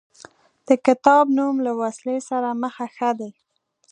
د کتاب نوم له وسلې سره مخه ښه دی.